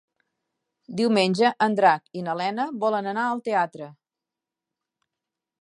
Diumenge en Drac i na Lena volen anar al teatre.